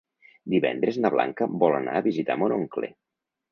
Divendres na Blanca vol anar a visitar mon oncle.